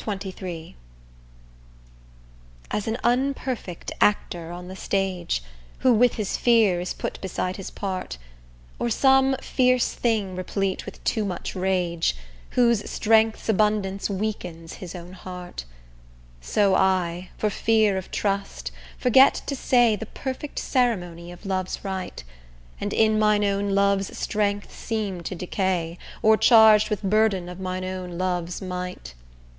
XXIII As an unperfect actor on the stage, Who with his fear is put beside his part, Or some fierce thing replete with too much rage, Whose strength's abundance weakens his own heart; So I, for fear of trust, forget to say The perfect ceremony of love's rite, And in mine own love's strength seem to decay, O'ercharg'd with burthen of mine own love's might.